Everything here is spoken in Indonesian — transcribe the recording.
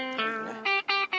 tidak ada yang bisa dikira